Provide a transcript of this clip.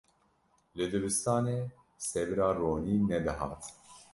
Li dibistanê sebira Ronî nedihat.